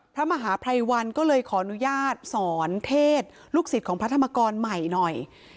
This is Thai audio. พระมหาภัยวันก็เลยขออนุญาตสอนเทศลูกศิษย์ของพระธรรมกรใหม่หน่อย